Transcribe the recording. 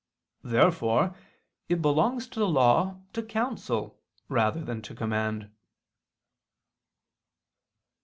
Therefore it belongs to law to counsel rather than to command.